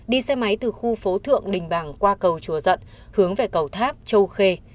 đi xe máy từ khu phố thượng đình bàng qua cầu chùa dận hướng về cầu tháp châu khê